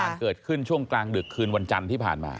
เกิดขึ้นช่วงกลางดึกคืนวันจันทร์ที่ผ่านมา